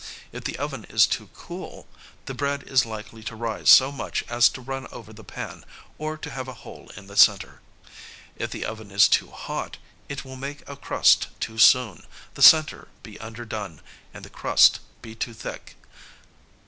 If the oven is too cool, the bread is likely to rise so much as to run over the pan, or to have a hole in the center. If the oven is too hot it will make a crust too soon, the centre be underdone, and the crust be too thick.